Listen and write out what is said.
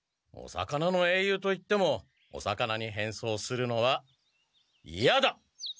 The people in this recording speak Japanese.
お魚の英雄といってもお魚にへんそうするのはいやだ！